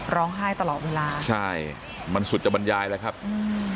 ร้องไห้ตลอดเวลาใช่มันสุดจะบรรยายแล้วครับอืม